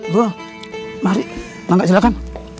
bro mari manga silahkan